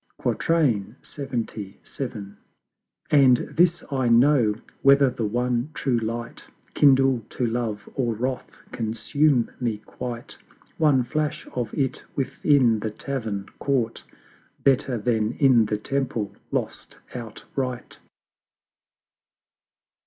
LXXVII. And this I know: whether the one True Light Kindle to Love, or Wrath consume me quite, One Flash of It within the Tavern caught Better than in the Temple lost outright.